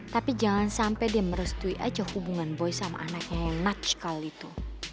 tapi jangan sampai dia merestui aja hubungan boy sama anaknya yang nut sekali itu